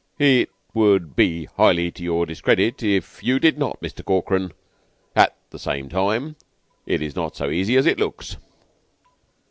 "It would he 'ighly to your discredit if you did not, Muster Corkran. At the same time, it is not so easy as it looks."